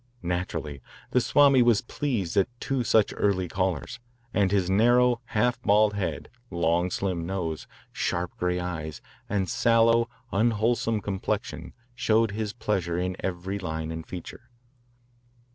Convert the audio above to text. Naturally the Swami was pleased at two such early callers, and his narrow, half bald head, long slim nose, sharp grey eyes, and sallow, unwholesome complexion showed his pleasure in every line and feature.